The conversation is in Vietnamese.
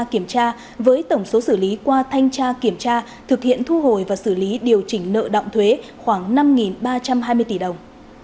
kiểm tra với tổng số xử lý qua thanh tra kiểm tra thực hiện thu hồi và xử lý điều chỉnh nợ động thuế khoảng năm ba trăm hai mươi tỷ đồng